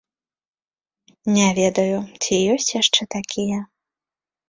Не ведаю, ці ёсць яшчэ такія.